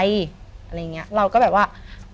อะไรอย่างนี้เราก็แบบว่า